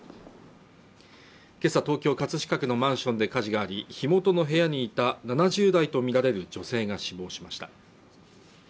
今朝、東京葛飾区のマンションで火事があり、火元の部屋にいた７０代とみられる女性が死亡しました。